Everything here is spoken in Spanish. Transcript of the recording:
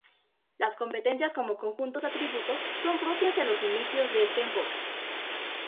Las competencias como conjuntos de atributos son propias de los inicios de este enfoque.